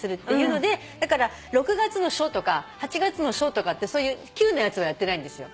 だから６月の書とか８月の書とかってそういう級のやつはやってないんですよ。